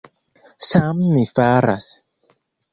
Same mi faras.